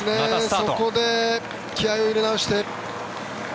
そこで気合を入れ直して。